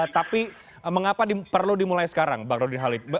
tapi mengapa perlu dimulai sekarang bang rudin halid